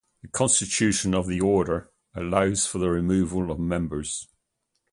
The constitution of the order allows for the removal of members.